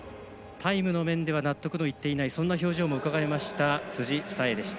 タイムの面では納得のいっていないそんな表情も伺えました辻沙絵でした。